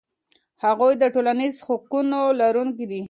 هغوی د ټولنیزو حقونو لرونکي دي.